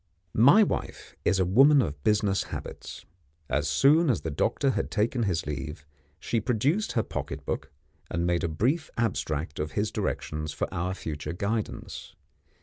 My wife is a woman of business habits. As soon as the doctor had taken his leave, she produced her pocket book, and made a brief abstract of his directions for our future guidance.